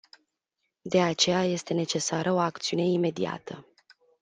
De aceea este necesară o acțiune imediată.